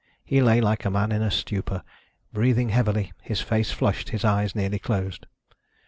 He lay like a man in a stupor, breathing heavily, his face flushed, his eyes nearly closed.